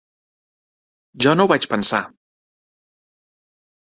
Jo no ho vaig pensar.